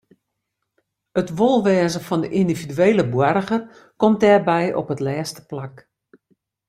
It wolwêzen fan de yndividuele boarger komt dêrby op it lêste plak.